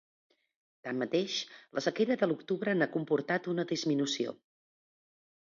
Tanmateix, la sequera de l’octubre n’ha comportat una disminució.